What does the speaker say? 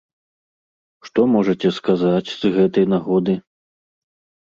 Што можаце сказаць з гэтай нагоды?